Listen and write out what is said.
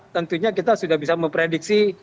tentunya kita sudah bisa memprediksi